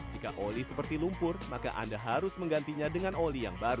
jika oli seperti lumpur maka anda harus menggantinya dengan oli yang baru